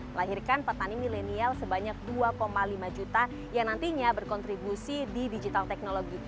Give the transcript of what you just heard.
melahirkan petani milenial sebanyak dua lima juta yang nantinya berkontribusi di digital technology